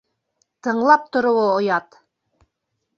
Тыңлап тороуы оят!